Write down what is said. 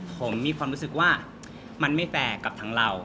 ผมมีความรู้สึกว่ามันไม่แฟร์กับทั้งเรา